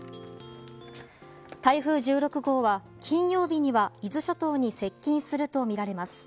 台風１６号は、金曜日には伊豆諸島に接近するとみられます。